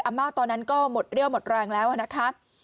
ม่าตอนนั้นก็หมดเรี่ยวหมดแรงแล้วนะคะ